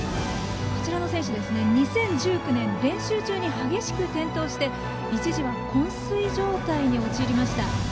こちらの選手、２０１９年練習中に激しく転倒して一時は、こん睡状態に陥りました。